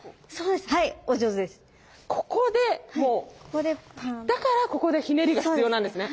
ここでだからここでひねりが必要なんですね！